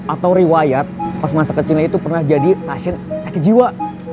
atau riwayat pas masa kecilnya itu pernah jadi pasien sakit jiwa